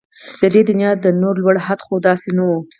د دنيا د نور لوړ حد خو داسې نه و